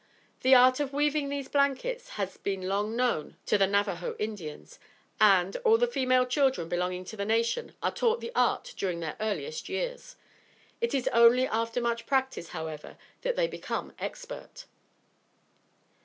The art of weaving these blankets has been long known to the Navajoe Indians; and, all the female children belonging to the nation are taught the art during their earliest years. It is only after much practice, however, that they become expert.